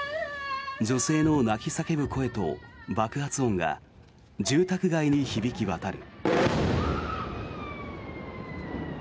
女性の泣き叫ぶ声と爆発音が住宅街に響き渡る。